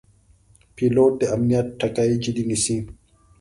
پیلوټ د امنیت ټکي جدي نیسي.